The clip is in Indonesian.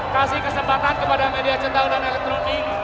kasih kesempatan kepada media cetakut dan elektronik